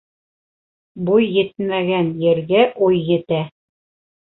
Буй етмәгән ергә уй етә